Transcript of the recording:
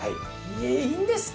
えいいんですか？